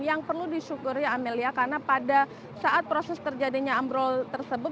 yang perlu disyukuri amelia karena pada saat proses terjadinya ambrol tersebut